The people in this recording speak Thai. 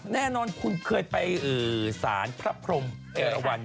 แน่นอนคุณเคยไปสารพระพรมเอราวัน